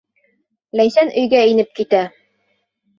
Ләйсән өйгә инеп китә.